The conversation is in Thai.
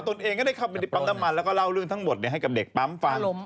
ตนเองก็ได้เข้าไปในปั๊มน้ำมันแล้วก็เล่าเรื่องทั้งหมดให้กับเด็กปั๊มฟัง